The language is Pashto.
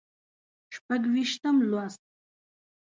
شپږ ویشتم لوست